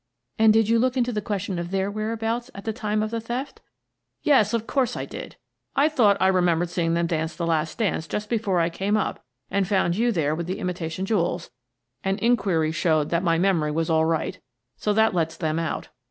" And did you look into the question of their whereabouts at the time of the theft? "" Yes, of course, I did. I thought I remembered seeing them dance the last dance just before I came up and found you there by the imitation jewels, and inquiry showed that my memory was all right, so that lets them out.